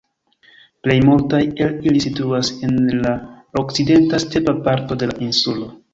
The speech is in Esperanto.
Plej multaj el ili situas en la okcidenta, stepa parto de la insulo.